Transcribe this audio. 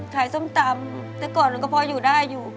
ส้มตำแต่ก่อนมันก็พออยู่ได้อยู่